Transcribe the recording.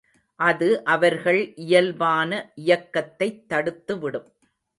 அது அவர்கள் இயல்பான இயக்கத்தைத் தடுத்துவிடும்.